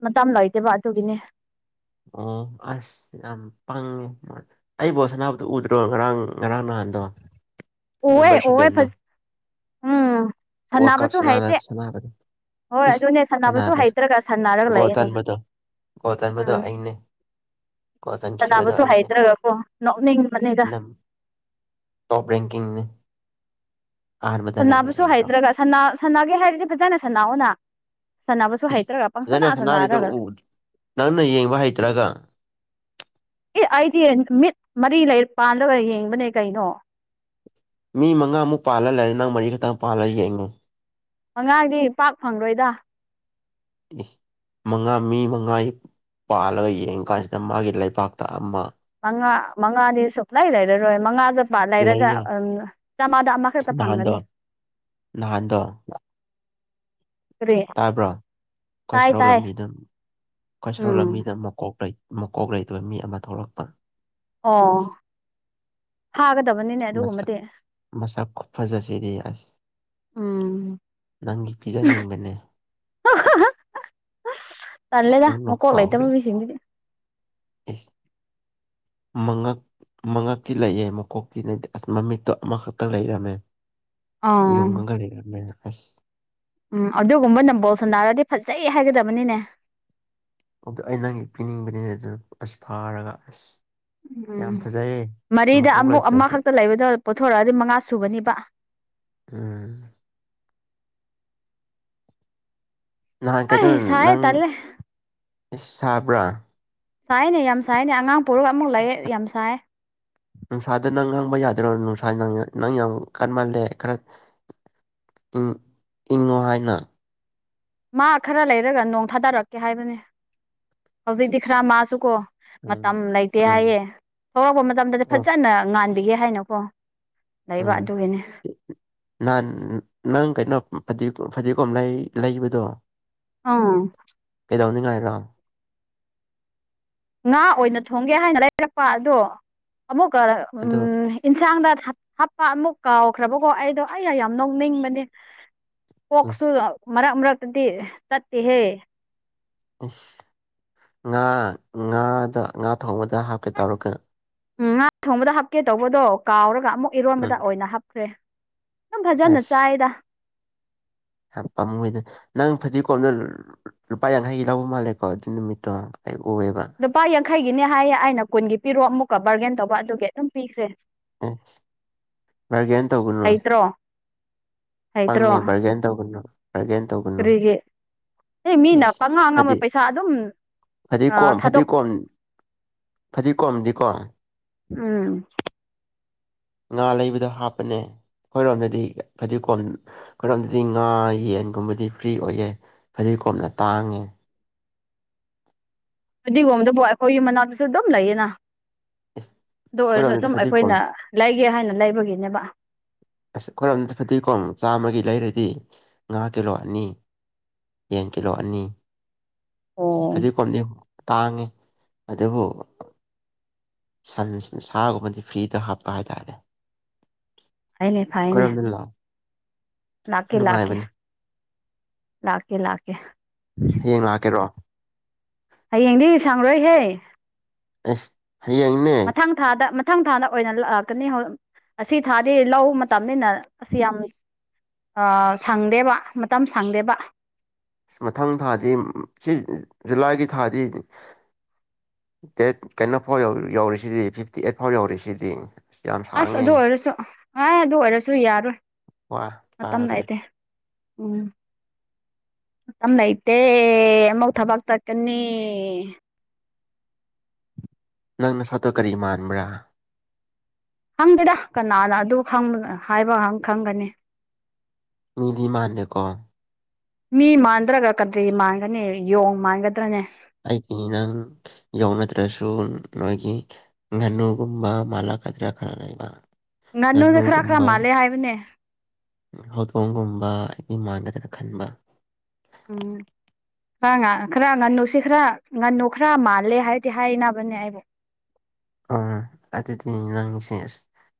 ꯃꯥꯇꯝ ꯂꯩꯇꯦꯕ ꯑꯗꯨꯒꯤꯅꯦ ꯑꯣ ꯑꯁ ꯌꯥꯝ ꯄꯪꯉꯦ ꯃꯣꯏ ꯑꯩ ꯕꯣꯜ ꯁꯅꯥꯕꯗꯨ ꯎꯗ꯭ꯔꯣ ꯉꯔꯥꯡ ꯉꯔꯥꯡ ꯅꯍꯥꯟꯗꯣ ꯑꯣꯦ ꯅꯝꯕꯔ ꯑꯣ ꯐ ꯁꯚꯦꯟꯗꯣ ꯋꯥꯔ ꯀꯞ ꯁꯅꯥ ꯍꯩꯇꯦ ꯁꯗ ꯍꯣꯏ ꯏꯁ ꯑꯗꯨꯅꯦ ꯁꯥꯟꯅꯕꯁꯨ ꯁꯥꯟꯅꯕ ꯍꯩꯇ꯭ꯔꯒ ꯁꯥꯟꯅꯔꯒ ꯒꯣꯜ ꯂꯩꯌꯦꯅꯦ ꯆꯟꯕꯥꯗꯣ ꯒꯣꯜ ꯆꯟꯕꯥꯗꯣ ꯑꯩꯅꯦ ꯒꯣꯜ ꯆꯟꯈꯤꯕꯗꯣ ꯁꯥꯟꯅꯕꯥꯁꯨ ꯑꯩꯅꯦ ꯍꯩꯇ꯭ꯔꯒ ꯀꯣ ꯅꯣꯛꯅꯤꯡꯕꯥꯅꯤꯗ ꯅꯝ ꯇꯣꯞ ꯔꯦꯡꯀꯤꯡꯅꯤ ꯁꯥꯟꯅꯕꯁꯨ ꯑꯩꯗꯣ ꯍꯩꯇ꯭ꯔꯒ ꯁꯟꯅ ꯁꯥꯟꯅꯒꯦ ꯍꯥꯏꯔꯗꯤ ꯐꯖꯅ ꯁꯥꯟꯅꯑꯣꯅ ꯁꯥꯟꯅꯕꯁꯨ ꯏꯁ ꯍꯩꯇ꯭ꯔꯒ ꯐꯖꯅ ꯄꯪꯁꯥꯟꯅ ꯁꯥꯟꯅꯔꯤꯗꯣ ꯁꯥꯟꯅꯔꯒ ꯎ ꯅꯪꯅ ꯌꯦꯡꯕ ꯍꯩꯇ꯭ꯔꯒ ꯑꯦ ꯑꯩꯗꯤ ꯃꯤꯠ ꯃꯔꯤ ꯂꯩ ꯄꯥꯜꯂꯒ ꯌꯦꯡꯕꯅꯦ ꯀꯩꯅꯣ ꯃꯤ ꯃꯉꯥꯃꯨꯛ ꯄꯥꯜꯂꯥ ꯂꯩꯔꯦ ꯅꯪ ꯃꯔꯤ ꯈꯛꯇ ꯄꯥꯜꯂꯒ ꯌꯦꯡꯉꯨ ꯃꯉꯥꯗꯤ ꯄꯥꯛ ꯐꯪꯔꯣꯏꯗ ꯏꯁ ꯃꯉꯥ ꯃꯤ ꯃꯉꯥꯒꯤ ꯄꯥꯜꯂꯒ ꯌꯦꯡ ꯀꯥꯟꯁꯤꯗ ꯃꯥꯒꯤ ꯂꯩꯕꯥꯛꯇ ꯑꯃꯥ ꯃꯉꯥ ꯃꯉꯥꯗꯤ ꯁꯨꯡꯂꯥꯏ ꯂꯩꯔꯔꯣꯏ ꯃꯉꯥ ꯆ ꯂꯩꯔꯗ ꯂꯩꯌꯦ ꯑꯝ ꯆꯥꯝꯃꯥꯗ ꯑꯃꯈꯛꯇ ꯅꯍꯥꯟꯗꯣ ꯐꯪꯒꯅꯤ ꯅꯍꯥꯟꯗꯣ ꯀꯔꯤ ꯇꯥꯕ꯭ꯔꯣ ꯑꯩꯈꯣꯏ ꯇꯥꯏ ꯁꯣꯔꯣꯛ ꯇꯥꯏ ꯂꯝꯕꯤꯗ ꯑꯩꯈꯣꯏ ꯁꯣꯔꯣꯛ ꯎꯝ ꯂꯝꯕꯤꯗ ꯃꯥꯀꯣꯛ ꯂꯩ ꯃꯥꯀꯣꯛ ꯂꯩꯗꯣ ꯃꯤ ꯑꯃ ꯊꯣꯛꯂꯛꯄ ꯑꯣ ꯐꯥꯒꯗꯕꯅꯤꯅꯦ ꯃꯥꯁꯛ ꯑꯗꯨꯒꯨꯝꯕꯗꯤ ꯃꯥꯁꯛ ꯈꯨꯐꯥꯖꯥꯁꯤꯗꯤ ꯑꯁ ꯎꯝ ꯅꯪꯒꯤ ꯄꯤꯖꯥꯅꯤꯡꯕꯥꯅꯦ [unintelligible] ꯃꯀꯣꯛ ꯂꯩꯇꯕ ꯑꯣꯅꯈꯍꯔꯦ ꯃꯤꯁꯤꯡꯗꯨꯗꯤ [unintelligible] ꯃꯉꯛ ꯃꯉꯛꯇꯤ ꯂꯩꯑꯦ ꯃꯀꯣꯛꯇꯤ ꯂꯩꯇꯦ ꯑꯁ ꯃꯃꯤꯠꯇꯣ ꯑꯃꯈꯛꯇ ꯂꯩꯔꯝꯃꯦ ꯑꯥ ꯏꯔꯉ ꯀꯔ ꯐ ꯎꯝ ꯑꯗꯨꯒꯨꯝꯕꯅ ꯕꯣꯜ ꯁꯥꯟꯅꯔꯥꯗꯤ ꯐꯖꯩ ꯍꯥꯏꯒꯗꯕꯅꯤꯅꯦ ꯑꯗꯨ ꯑꯩ ꯅꯪꯒꯤ ꯄꯤꯅꯤꯡꯕꯅꯤꯅꯦ ꯑꯗꯨ ꯑꯁ ꯐꯥꯔꯒ ꯑꯁ ꯎꯝ ꯌꯥꯝ ꯐꯖꯩꯌꯦ ꯑꯁ ꯃꯔꯤꯗ ꯃꯀꯣꯛ ꯑꯃꯨꯛ ꯂꯩꯇ꯭ꯔꯁꯨ ꯑꯃꯈꯛꯇ ꯂꯩꯕꯥꯗꯣ ꯄꯨꯊꯣꯛꯔꯛꯑꯗꯤ ꯃꯉꯥ ꯁꯨꯒꯥꯅꯤꯕ ꯎꯝ ꯅꯍꯥꯟ ꯑꯩ ꯀꯩꯩꯅꫭ ꯁꯥꯏꯌꯦ ꯅꯪ ꯇꯜꯂꯦ [unintelligible] ꯁꯥꯏꯌꯦꯅꯦ ꯌꯥꯝ ꯁꯥꯏꯌꯦꯅꯦ ꯑꯉꯥꯡ ꯄꯣꯔꯒ ꯑꯃꯨꯛ ꯂꯩꯔꯦ ꯌꯥꯝ ꯁꯥꯏꯌꯦ ꯅꯨꯡꯁꯥꯗ ꯅꯪ ꯉꯥꯡꯕ ꯌꯥꯗ꯭ꯔꯣ ꯅꯨꯡꯁꯥ ꯅꯪ ꯅꯪ ꯌꯥꯝ ꯀꯟꯃꯜꯂꯦ ꯈ꯭ꯔ ꯎꯝ ꯏꯪꯉꯣ ꯍꯥꯏꯅ ꯃꯥ ꯈ꯭ꯔ ꯂꯩꯔꯒ ꯅꯣꯡ ꯊꯥꯗꯔꯛꯀꯦ ꯍꯥꯏꯕꯅꯦ ꯍꯧꯖꯤꯛꯇꯤ ꯈ꯭ꯔ ꯏꯁ ꯃꯥꯁꯨꯀꯣ ꯃꯥꯇꯝ ꯎꯝ ꯂꯩꯇꯦ ꯎꯝ ꯍꯥꯏꯌꯦ ꯊꯣꯛꯂꯛꯄ ꯃꯇꯝꯗꯗꯤ ꯑꯣ ꯐꯖꯥꯅ ꯉꯥꯟꯕꯤꯒꯦ ꯍꯥꯏꯅꯀꯣ ꯂꯩꯕ ꯎꯝ ꯑꯗꯨꯒꯤꯅꯦ ꯅꯍꯥꯟ ꯅꯪ ꯀꯩꯅꯣ ꯐꯗꯤꯒꫭꯝ ꯐꯗꯤꯒꯣꯝ ꯂꯩꯕꯗꯣ ꯑꯧ ꯀꯩꯗꯧꯅꯤꯡꯉꯥꯏꯔꯣ ꯉꯥ ꯑꯣꯏꯅ ꯊꯣꯡꯒꯦ ꯍꯥꯏꯅ ꯂꯩꯔꯛꯄ ꯑꯗꯣ ꯑꯃꯨꯛꯀꯥ ꯑꯗꯨ ꯎꯝ ꯏꯟꯁꯥꯡꯗ ꯊ ꯍꯥꯞꯄ ꯑꯃꯨꯛ ꯀꯥꯎꯈ꯭ꯔꯕꯀꯣ ꯑꯩꯗꯣ ꯑꯩꯌꯥ ꯌꯥꯝ ꯅꯣꯛꯅꯤꯡꯕꯅꯦ ꯎꯝ ꯀꯣꯛꯁꯨ ꯃꯔꯛ ꯃꯔꯛꯇꯗꯤ ꯆꯠꯇꯦꯍꯦ ꯏꯁ ꯉꯥ ꯉꯥꯗ ꯉꯥ ꯊꯣꯡꯕꯗ ꯍꯥꯞꯀꯦ ꯇꯧꯔꯛꯀ ꯎꯝ ꯉꯥ ꯊꯣꯡꯕꯗ ꯍꯥꯞꯀꯦ ꯇꯧꯕꯗꯣ ꯀꯥꯎꯔꯒ ꯑꯃꯨꯛ ꯏꯔꯣꯟꯕꯗ ꯎꯝ ꯑꯣꯏꯅ ꯍꯥꯞꯈ꯭ꯔꯦ ꯌꯥꯝ ꯐꯖꯅ ꯑꯁ ꯆꯥꯏꯗ [unintelligible] ꯅꯪ ꯐꯗꯤ ꯀꯣꯝꯅ ꯂꯨꯄꯥ ꯌꯥꯡꯈꯩꯒꯤ ꯂꯧꯕ ꯃꯥꯜꯂꯦꯀꯣ ꯑꯗꯨ ꯅꯨꯃꯤꯠꯇꯣ ꯑꯩ ꯎꯑꯦꯕ ꯂꯨꯄꯥ ꯌꯥꯡꯈꯩꯒꯤꯅꯦ ꯍꯥꯏꯌꯦ ꯑꯩꯅ ꯀꯨꯟꯒꯤ ꯄꯤꯔꯣ ꯑꯃꯨꯛꯀꯥ ꯕꯥꯔꯒꯦꯟ ꯇꯧꯕ ꯑꯗꯨꯒꯤ ꯑꯗꯨꯝ ꯄꯤꯈ꯭ꯔꯦ ꯑꯦ ꯕꯔꯒꯦꯟ ꯇꯧꯒꯅꯨ ꯍꯩꯇ꯭ꯔꯣ ꯍꯩꯇ꯭ꯔꯣ ꯄꯪꯉꯦ ꯕꯥꯔꯒꯦꯟ ꯇꯧꯒꯥꯅꯣ ꯕꯥꯔꯒꯦꯟ ꯇꯧꯒꯅꯨ ꯀꯔꯤꯒꯤ ꯑꯦ ꯃꯤꯅ ꯏꯁ ꯄꯉꯥ ꯑꯉꯝꯕ ꯐꯗꯤ ꯄꯩꯁꯥ ꯑꯗꯨꯝ ꯊꯥꯗꯣꯛ ꯐꯥꯗꯤꯀꯣꯝꯗꯤ ꯀꯣ ꯎꯝ ꯉꯥ ꯂꯩꯕꯗ ꯍꯥꯞꯄꯅꯦ ꯑꯩꯈꯣꯏꯔꯣꯝꯗꯗꯤ ꯐꯗꯤꯒꯣꯝ ꯈꫭꯏꯔꫭꯝꯗꯗꯤ ꯉꯥ ꯌꯦꯟꯒꯨꯝꯕꯗꯤ ꯐ꯭ꯔꯤ ꯑꯣꯏꯌꯦ ꯐꯥꯗꯤꯒꯣꯝꯅ ꯇꯥꯡꯉꯦ ꯐꯗꯤꯒꯣꯝꯗꯨꯕꯨ ꯑꯩꯈꯣꯏ ꯌꯨꯝ ꯃꯅꯥꯛꯇꯁꯨ ꯑꯗꯨꯝ ꯂꯩꯌꯦꯅ ꯑꯁ ꯑꯗꯨ ꯑꯣꯏꯔꯁꯨ ꯑꯩꯈꯣꯏꯔꯣꯝꯗꯗꯤ ꯑꯗꯨꯝ ꯐꯗꯤꯒꯣꯝ ꯑꯩꯈꯣꯏꯅ ꯂꯩꯒꯦ ꯍꯥꯏꯅ ꯂꯩꯕꯒꯤꯅꯦꯕ ꯑꯁ ꯑꯈꯣꯏꯔꯝꯗ ꯐꯗꯤꯒꯣꯝ ꯆꯥꯝꯃꯒꯤ ꯂꯩꯔꯗꯤ ꯉꯥ ꯀꯤꯂꯣ ꯑꯅꯤ ꯌꯦꯟ ꯀꯤꯂꯣ ꯑꯅꯤ ꯑꯣ ꯐꯗꯤꯒꯣꯝꯗꯤ ꯇꯥꯡꯉꯤ ꯑꯗꯨꯕꯨ ꯁꯟ ꯁꯥꯒꯨꯝꯕꯗꯤ ꯐ꯭ꯔꯤꯗ ꯍꯥꯞꯄ ꯍꯥꯏꯇꯥꯔꯦ ꯐꯩꯌꯦꯅꯦ ꯐꯩꯌꯦꯅꯦ ꯑꯩꯈꯣꯏꯔꯣꯝꯗ ꯂꯥꯛꯑꯣ ꯂꯥꯛꯀꯦ ꯂꯥꯛꯀꯦ ꯅꯨꯡꯉꯥꯏꯕꯅꯦ ꯂꯥꯛꯀꯦ ꯂꯥꯛꯀꯦ ꯍꯌꯦꯡ ꯂꯥꯛꯀꯦꯔꯣ ꯍꯌꯦꯡꯗꯤ ꯁꯥꯡꯔꯣꯏꯍꯦ ꯑꯁ ꯍꯥꯌꯦꯡꯅꯦ ꯃꯊꯪ ꯊꯥꯗ ꯃꯊꯪ ꯊꯥꯗ ꯑꯣꯏꯅ ꯂꯥꯛꯀꯅꯤ ꯑꯁꯤ ꯊꯥꯗꯤ ꯂꯧ ꯃꯇꯝꯅꯤꯅ ꯑꯁ ꯌꯥꯝ ꯁꯪꯗꯦꯕ ꯃꯇꯝ ꯁꯪꯗꯦꯕ ꯑꯁ ꯃꯊꯪ ꯊꯥꯗꯤ ꯁꯤ ꯖꯨꯂꯥꯏꯒꯤ ꯊꯥꯗꯤ ꯗꯦꯠ ꯀꯩꯅꯣ ꯐꯧ ꯌꯧꯔꯤꯁꯤꯗꯤ ꯐꯤꯞꯇꯤ ꯑꯩꯠ ꯐꯥꯎ ꯌꯧꯔꯤꯁꯤꯗꯤ ꯑꯁ ꯌꯥꯝ ꯑꯁ ꯁꯥꯡꯉꯦ ꯑꯗꯨ ꯑꯣꯏꯔꯥꯁꯨ ꯑ ꯑꯗꯨ ꯑꯣꯏꯔꯥꯁꯨ ꯌꯥꯔꯣꯏ ꯋꯥ ꯃꯥꯇꯝ ꯄꯥꯕ꯭ꯔꯦ ꯂꯩꯇꯦ ꯎꯝ ꯃꯇꯝ ꯂꯩꯇꯦ ꯑꯃꯨꯛ ꯊꯕꯛ ꯆꯠꯀꯅꯤ ꯅꯪ ꯅꯥꯁꯛꯇꯣ ꯀ꯭ꯔꯤ ꯃꯥꯟꯕ꯭ꯔꯥ ꯈꯪꯗꯦꯗ ꯀꯅꯥꯅ ꯑꯗꯨꯕ ꯍꯥꯏꯕ ꯈꯪꯒꯅꯤ ꯃꯤꯗꯤ ꯃꯥꯥꯟꯗꯦꯀꯣ ꯃꯤ ꯃꯥꯟꯗ꯭ꯔꯒ ꯀꯗꯔꯤ ꯃꯥꯟꯒꯅꯤ ꯌꯣꯡ ꯃꯥꯟꯒꯗ꯭ꯔꯅꯦ ꯑꯩꯒꯤꯗꯤ ꯅꯪ ꯌꯧꯅꯗ꯭ꯔꯁꯨ ꯅꯣꯏꯒꯤ ꯉꯥꯅꯨꯒꯨꯝꯕ ꯃꯥꯂꯥ [unintelligible] ꯉꯥꯅꯨꯅ ꯈ꯭ꯔ ꯈ꯭ꯔ ꯃꯥꯜꯂꯦ ꯍꯥꯏꯕꯅꯦ ꯍꯧꯗꯣꯡꯒꯨꯝꯕ ꯑꯩꯗꯤ ꯃꯥꯟꯅꯗꯅ ꯈꯟꯕ [unintelligible] ꯈ꯭ꯔ ꯉꯥ ꯈ꯭ꯔ ꯉꯥꯟꯅꯨꯁꯦ ꯈ꯭ꯔ ꯉꯥꯟꯅꯨ ꯈ꯭ꯔ ꯃꯥꯜꯂꯦ ꯍꯥꯏꯗꯤ ꯍꯥꯏꯅꯕꯥꯅꯦ ꯑꯩꯕꯨ ꯑꯣ ꯑꯗꯨꯗꯤ ꯅꯪꯁꯦ ꯑꯁ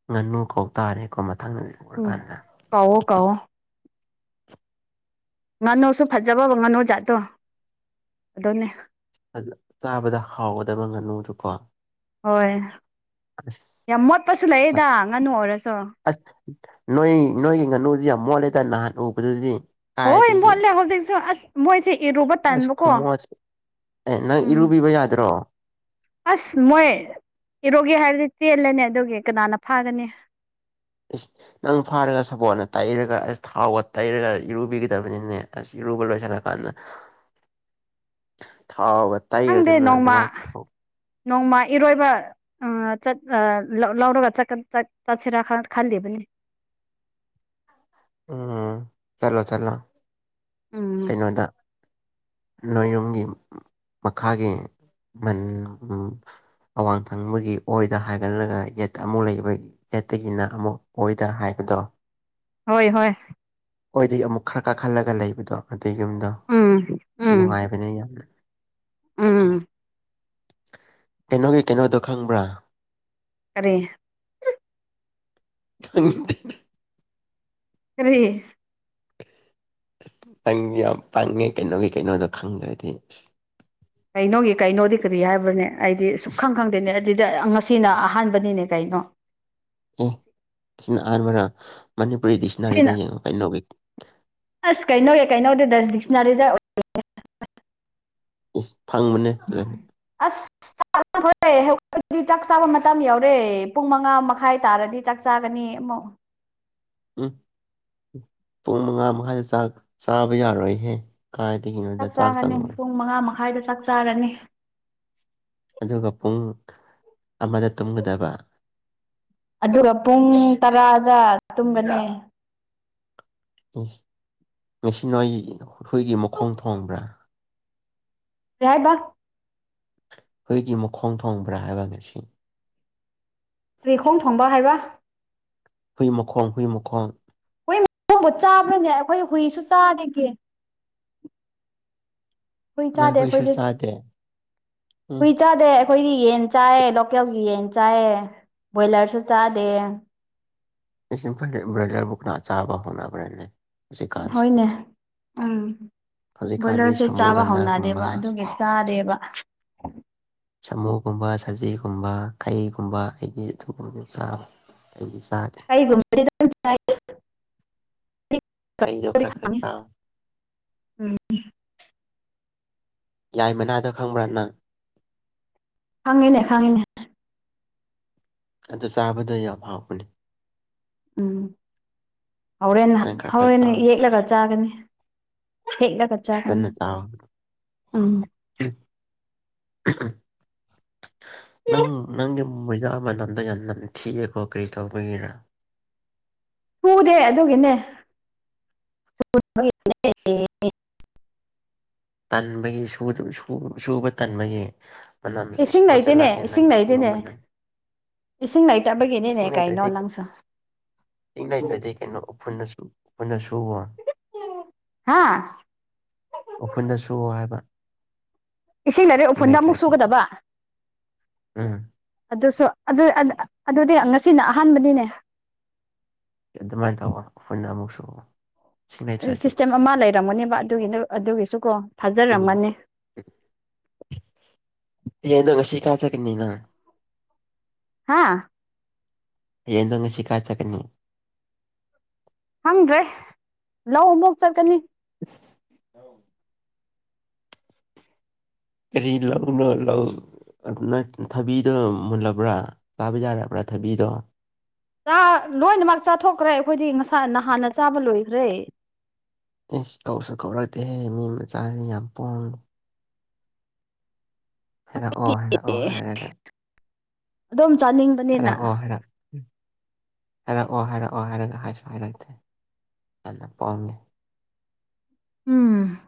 ꯉꯥꯅꯨ ꯀꯧꯇꯥꯥꯔꯦꯀꯣ ꯃꯊꯪꯗꯗꯤ ꯎꯝ ꯎꯔꯀꯥꯟꯗ ꯀꯧꯋꯣ ꯀꯧꯋꯣ ꯉꯥꯅꯨꯁꯨ ꯐꯖꯕꯕ ꯉꯥꯅꯨ ꯖꯥꯠꯇꯣ ꯑꯗꯨꯅꯦ ꯆꯥꯕꯗ ꯍꯥꯎꯒꯗꯕ ꯉꯥꯅꯨꯗꯨꯀꯣ ꯍꯣꯏ ꯑꯁ ꯌꯥꯝ ꯃꯣꯠꯄꯥꯁꯨ ꯂꯩꯌꯦꯗ ꯃꯠ- ꯉꯥꯅꯨ ꯑꯣꯏꯔꯥꯁꯨ ꯑꯁ ꯅꯣꯏ ꯅꯣꯏꯒꯤ ꯉꯥꯅꯨꯗꯤ ꯌꯥꯝ ꯃꯣꯠꯂꯦꯗ ꯅꯍꯥꯟ ꯎꯕꯗꯨꯗꯤ ꯍꯣꯏ ꯀꯥꯏꯗꯒꯤ ꯃꯣꯠꯂꯦ ꯍꯧꯖꯤꯛꯁꯨ ꯑꯁ ꯃꯣꯏꯁꯦ ꯏꯔꯨꯕ ꯑꯁ ꯇꯥꯟꯕꯀꯣ ꯈꯨꯃꯣꯠ ꯑꯦ ꯅꯪ ꯎꯝ ꯏꯔꯨꯕꯤꯕ ꯌꯥꯗ꯭ꯔꯣ ꯑꯁ ꯃꯣꯏ ꯏꯔꯣꯒꯦ ꯍꯥꯏꯔꯗꯤ ꯇꯦꯜꯂꯅꯤ ꯑꯗꯨꯒꯤ ꯀꯅꯥꯅ ꯐꯥꯒꯅꯤ ꯑ ꯅꯪ ꯐꯥꯔꯒ ꯁꯄꯣꯠꯅ ꯇꯩꯔꯒ ꯑꯁ ꯊꯥꯎꯒ ꯇꯩꯔꯒ ꯏꯔꯨꯕꯤꯒꯗꯕꯅꯤꯅꯦ ꯑꯁ ꯏꯔꯨꯕ ꯂꯣꯏꯁꯤꯜꯂꯀꯥꯟꯗ ꯊꯥꯎꯕ ꯈꯪꯗꯦ ꯇꯥꯏꯈꯗꯅꯗ ꯅꯣꯡꯃ ꯃꯥ ꯅꯣꯡꯃ ꯏꯔꯣꯏꯕ ꯑ ꯆꯠ ꯑꯥ ꯂꯧꯔꯒ ꯆꯠꯀ ꯆꯠꯄꯁꯤꯔꯥ ꯈꯜꯂꯤꯕꯅꯤ ꯎꯝ ꯆꯠꯂꯣ ꯆꯠꯂꯣ ꯎꯝ ꯀꯩꯅꯣꯗ ꯅꯣꯌꯨꯝꯒꯤ ꯃꯈꯥꯒꯤ ꯃꯟ ꯑꯋꯥꯡ ꯊꯪꯕꯒꯤ ꯑꯣꯏꯗ ꯍꯥꯏꯒꯠꯂꯒ ꯌꯦꯠꯇ ꯑꯃꯨꯛ ꯂꯩꯕꯗꯤ ꯌꯦꯠꯇꯒꯤꯅ ꯑꯃꯨꯛ ꯑꯣꯏꯗ ꯍꯥꯏꯕꯗꯣ ꯍꯣꯏ ꯍꯣꯏ ꯑꯣꯏꯗꯤꯩ ꯑꯃꯨꯛ ꯈꯔ ꯀꯥꯈꯠꯂꯒ ꯂꯩꯕꯗꯣ ꯑꯗꯨꯩ ꯌꯨꯝꯗꯣ ꯎꯝ ꯎꯝ ꯅꯨꯡꯉꯥꯏꯕꯅꯦ ꯌꯥꯝꯅ ꯎꯝ ꯀꯩꯅꯣꯒꯤ ꯀꯩꯅꯣꯗꯣ ꯈꯪꯕ꯭ꯔꯥ ꯀꯔꯤ ꯎ ꯀꯔꯤ ꯅꯪꯗꯤ ꯌꯥꯝ ꯄꯪꯉꯦ ꯀꯩꯅꯣꯒꯤ ꯀꯩꯅꯣꯗꯣ ꯈꯪꯗ꯭ꯔꯗꯤ ꯀꯩꯅꯣꯒꯤ ꯀꯩꯅꯣꯗꯤ ꯀꯔꯤ ꯍꯥꯏꯕꯅꯦ ꯑꯩꯗꯤ ꯁꯨꯛ ꯈꯪ ꯈꯪꯗꯦꯅꯦ ꯑꯗꯨꯗꯤ ꯉꯁꯤꯅ ꯑꯍꯥꯟꯕꯅꯤꯅꯦ ꯀꯩꯅꯣ ꯑꯦ ꯁꯤꯅ ꯑꯍꯥꯟꯕꯅ ꯃꯅꯤꯄꯨꯔꯤ ꯗꯤꯛꯁꯅꯔꯤꯗ ꯁꯤꯅ ꯌꯦꯡꯉꯣ ꯀꯩꯅꯣꯒꯤ ꯑꯁ ꯀꯩꯅꯣꯦ ꯀꯩꯅꯧꯗꯦ ꯗꯁ ꯗꯤꯛꯁꯅꯔꯤꯗ ꯎꯝ ꯐꯪꯕꯅꯦ ꯐꯖꯅ ꯑꯁ [unintelligible] ꯆꯥꯛ ꯆꯥꯕ ꯃꯇꯝ ꯌꯧꯔꯦ ꯄꯨꯡ ꯃꯉꯥ ꯃꯈꯥꯏ ꯇꯥꯔꯗꯤ ꯆꯥꯛ ꯆꯥꯒꯅꯤ ꯑꯃꯨꯛ ꯎꯝ ꯄꯨꯡ ꯃꯉꯥ ꯃꯈꯥꯏꯗꯥ ꯆꯥꯛ ꯆꯥꯕ ꯌꯥꯔꯣꯏꯍꯦ ꯀꯥꯏ ꯊꯅꯤ ꯆꯥꯛ ꯆꯥꯒꯅꯤ ꯄꯨꯡ ꯃꯉꯥ ꯃꯈꯥꯏꯗ ꯆꯥꯛ ꯆꯥꯔꯅꯤ ꯑꯗꯨꯒ ꯄꯨꯡ ꯑꯃꯗ ꯇꯨꯝꯒꯗꯕ ꯑꯗꯨꯒ ꯄꯨꯡ ꯇꯔꯥꯗ ꯇꯨꯝꯕꯅꯦ [unintelligible] ꯉꯁꯤ ꯅꯣꯏꯒꯤ ꯍꯨꯏꯒꯤ ꯃꯈꯣꯡ ꯊꯣꯡꯕ꯭ꯔꯥ ꯂꯥꯏꯕꯛ ꯑꯩꯈꯣꯏꯒꯤ ꯃꯈꯣꯡ ꯊꯣꯡꯕ꯭ꯔꯥ ꯍꯥꯏꯕ ꯉꯁꯤ ꯔꯤꯈꯣꯡ ꯊꯣꯡꯕ ꯍꯥꯏꯕ ꯍꯨꯏ ꯃꯈꯣꯡ ꯍꯨꯏ ꯃꯈꯣꯡ ꯍꯨꯏ ꯃꯈꯣꯡꯕꯨ ꯆꯥꯕ꯭ꯔꯅꯦ ꯑꯩꯈꯣꯏ ꯍꯨꯏꯁꯨ ꯆꯥꯗꯒꯦ ꯍꯨꯏ ꯅꯣꯏ ꯆꯥꯗꯦ ꯍꯨꯏꯁꯨ ꯑꯩꯈꯣꯏꯗꯤ ꯆꯥꯗꯦ ꯎꯝ ꯍꯨꯏ ꯆꯗꯦ ꯆꯥꯗꯦ ꯑꯩꯈꯣꯏꯒꯤ ꯌꯦꯟ ꯆꯥꯏꯌꯦ ꯂꯣꯀꯦꯜꯒꯤ ꯌꯦꯟ ꯆꯥꯏꯌꯦ ꯕꯣꯏꯂꯔꯁꯨ ꯆꯥꯗꯦ ꯑꯩꯁꯨ ꯈꯜꯂꯦ ꯕ꯭ꯔꯣꯏꯂꯔꯕꯨ ꯀꯅꯥ ꯆꯥꯕ ꯍꯧꯅꯕꯔꯥꯅꯦ ꯍꯣꯏꯅꯦ ꯎꯝ ꯍꯧꯖꯤꯛꯀꯥꯟꯗꯤ ꯕꯣꯏꯂꯔꯁꯦ ꯆꯥꯕ ꯁꯥꯃꯨꯒꯟꯗꯥꯒꯨꯝꯕ ꯍꯧꯅꯗꯦꯕ ꯑꯗꯨꯒꯤ ꯆꯥꯗꯦꯕ ꯁꯥꯃꯨꯒꯨꯝꯕ ꯁꯖꯤꯒꯨꯝꯕ ꯈꯩꯒꯨꯝꯕ ꯑꯩꯗꯤ ꯑꯗꯨꯒꯨꯝꯕ ꯆꯥꯕ ꯑꯩꯗꯤ ꯆꯥꯗꯦ ꯑꯩꯒꯨꯝ ꯑꯩꯗꯣ ꯈꯔ ꯈꯔ ꯈꯪꯉꯦ ꯆꯥ ꯎꯝ ꯌꯥꯏ ꯃꯅꯥꯗꯣ ꯈꯪꯕ꯭ꯔꯥ ꯅꯪ ꯈꯪꯉꯤꯅꯦ ꯈꯪꯉꯤꯅꯦ ꯑꯗꯨ ꯆꯥꯕꯗꯣ ꯌꯥꯝ ꯍꯥꯎꯕꯅꯦ ꯎꯝ ꯍꯣꯔꯦꯟ ꯅꯪ ꯈꯔ ꯈꯔ ꯍꯣꯔꯦꯟꯅꯦ ꯆꯥꯎ ꯌꯦꯛꯂꯒ ꯆꯥꯒꯅꯤ ꯍꯦꯛꯂꯒ [unintelligible] ꯆꯥꯒꯅꯤ ꯎꯝ ꯅꯪ ꯅꯪꯒꯤ ꯃꯣꯏꯖꯥ ꯃꯅꯝꯗꯣ ꯌꯥꯝ ꯅꯝꯊꯤꯑꯦꯕꯣ ꯀꯔꯤ ꯇꯧꯕꯒꯤꯔꯥ [unintelligible] ꯑꯗꯨꯒꯤꯅꯦ [unintelligible] ꯇꯟꯕꯒꯤ ꯁꯨꯗꯕ ꯁꯨ ꯁꯨꯕ ꯇꯟꯕꯒꯤ ꯃꯅꯝ ꯏꯁꯤꯡ ꯁꯤꯐꯥꯎꯁꯦ ꯂꯩꯇꯦꯅꯦ ꯂꯥꯛꯑꯦ ꯏꯁꯤꯡ ꯅꯪꯒꯤ ꯈꯨꯉꯨꯞ ꯂꯩꯇꯦꯅꯦ ꯃꯅꯝ ꯏꯁꯤꯡ ꯂꯩꯇꯕꯒꯤꯅꯤꯅꯦ ꯏꯁꯤꯡ ꯀꯩꯅꯣ ꯂꯩꯇ꯭ꯔꯗꯤ ꯅꯪꯁꯨ ꯏꯁꯤꯡ ꯂꯩꯇ꯭ꯔꯗꯤ ꯀꯩꯅꯣ ꯎꯐꯨꯜꯟꯅꯁꯨ ꯎꯐꯨꯟꯅ ꯁꯨꯕ ꯍꯥꯥ ꯎꯐꯨꯟꯗ ꯁꯨ ꯍꯥꯏꯕ ꯏꯁꯤꯡ ꯂꯩꯔꯦ ꯎꯐꯨꯟꯗ ꯑꯃꯨꯛ ꯁꯨꯒꯗꯕ ꯎꯝ ꯑꯗꯨꯁꯨ ꯑꯗꯨ ꯑꯗꯨꯗꯤ ꯉꯁꯤꯅ ꯑꯍꯥꯟꯕꯅꯤꯅꯦ ꯑꯗꯨꯃꯥꯏ ꯇꯧꯋꯣ ꯎꯐꯨꯟꯗ ꯑꯃꯨꯛꯁꯨ ꯁꯤꯁꯇꯦꯝ ꯑꯃ ꯂꯩꯔꯝꯒꯅꯦꯕ ꯑꯗꯨꯒꯤꯗꯨ ꯑꯗꯨꯒꯤꯁꯨ ꯀꯣ ꯎꯝ ꯐꯥꯖꯔꯝꯒꯅꯤ [unintelligible] ꯅꯪ ꯉꯁꯤ ꯀꯥ ꯆꯠꯒꯅꯤ ꯅꯪ ꯍꯥꯥ ꯌꯦꯟꯗꯣ ꯉꯁꯤ ꯀꯥꯏ ꯆꯠꯀꯥꯅꯤ ꯈꯪꯗ꯭ꯔꯦ ꯂꯧ ꯑꯃꯨꯛ ꯆꯠꯀꯅꯤ [unintelligible] ꯀꯔꯤ ꯂꯧꯅꯣꯂꯧ ꯅꯣꯏ ꯊꯕꯤꯗꯣ ꯃꯨꯜꯂꯕ꯭ꯔꯥ ꯆꯥꯕ ꯌꯥꯔꯕ꯭ꯔꯥ ꯊꯕꯤꯗꯣ ꯆꯥ ꯂꯣꯏꯅꯃꯛ ꯆꯥꯊꯣꯛꯈ꯭ꯔꯦ ꯑꯩꯈꯣꯏꯗꯤ ꯉꯁꯥ ꯅꯍꯥꯟꯅ ꯆꯥꯕ ꯂꯣꯏꯈ꯭ꯔꯦ ꯏꯁ ꯀꯧꯁꯨ ꯀꯧꯔꯛꯇꯦꯍꯦ ꯃꯤ ꯃꯆꯥꯁꯤ ꯌꯥꯝ ꯄꯣꯡꯕ ꯍꯥꯏꯔꯛ ꯑꯣ ꯍꯥꯢꯔꯛ ꯑꯣ ꯑꯦ ꯍꯥꯏꯔꯒꯥ ꯑꯗꯨꯝ ꯆꯥꯅꯤꯡ ꯍꯥꯏꯔꯛꯑꯣ ꯍꯥꯏꯔꯛ ꯍꯥꯏꯔꯛꯑꯣ ꯍꯥꯏꯔꯛꯑꯣ ꯍꯥꯏꯔꯒ ꯍꯥꯏꯁꯨ ꯍꯥꯏꯔꯛꯇꯦ ꯌꯥꯝꯅ ꯄꯣꯡꯉꯦ ꯎꯝ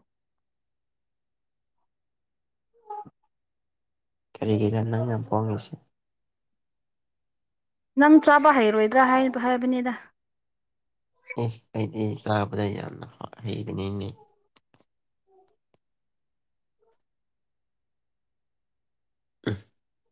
ꯀꯔꯤꯒꯤꯔꯥ ꯅꯪꯅ ꯄꯣꯡꯉꯤꯁꯦ ꯅꯪ ꯆꯥꯕ ꯍꯩꯔꯣꯏꯗ꯭ꯔꯥ ꯍꯥꯏ ꯍꯥꯏꯕꯅꯤꯗ ꯑꯦꯁ ꯑꯩꯗꯤ ꯆꯥꯕꯗ ꯌꯥꯝꯅ ꯍꯩꯕꯅꯤꯅꯦ [unintelligible]